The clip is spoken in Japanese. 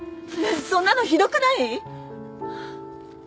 そんなのひどくない！？